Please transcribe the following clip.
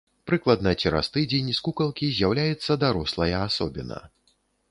Прыкладна цераз тыдзень з кукалкі з'яўляецца дарослая асобіна.